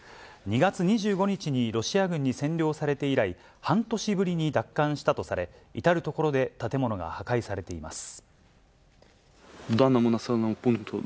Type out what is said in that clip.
２月２５日にロシア軍に占領されて以来、半年ぶりに奪還したとされ、至る所で建物が破壊されています。